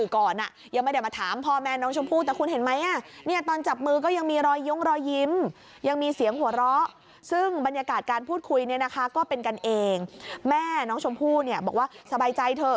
การพูดคุยเนี่ยนะคะก็เป็นกันเองแม่น้องชมพู่เนี่ยบอกว่าสบายใจเถอะ